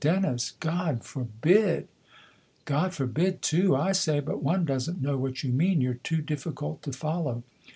" Dennis God forbid !"" God forbid too, I say. But one doesn't know what you mean you're too difficult to follow.